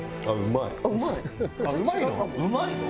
うまいの？